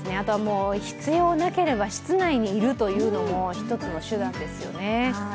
必要なければ室内にいるというのも一つの手段ですよね。